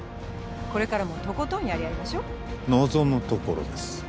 これからもとことんやり合いましょ望むところです